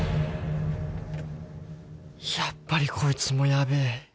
やっぱりこいつもヤベえ